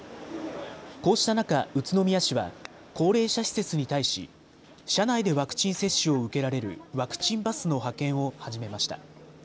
こうした中、宇都宮市は高齢者施設に対し車内でワクチン接種を受けられるワクチンバスの派遣を始めました。